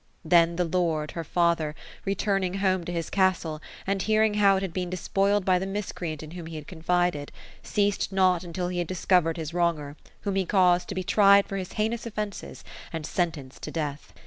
Then the lord, her father, returning home to his castle, and hearing how it had been despoiled by the miscreant in whom he confided, ceased not until he had discovered his wronger, whom he caused to be tried for his heinous offences, and sentenced to death.